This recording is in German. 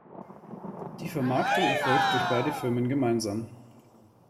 Die Vermarktung erfolgt durch beide Firmen gemeinsam.